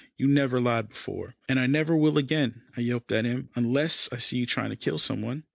"You never lied before." "And I never will again," I yelped at him, "unless I see you trying to kill some one."